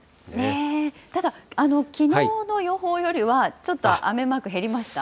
ただ、きのうの予報よりはちょっと雨マーク減りました？